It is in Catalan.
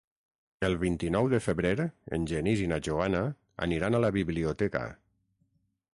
El vint-i-nou de febrer en Genís i na Joana aniran a la biblioteca.